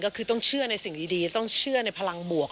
ก็คือต้องเชื่อในสิ่งดีต้องเชื่อในพลังบวก